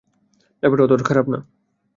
ব্যাপারটা অতোটা খারাপ না।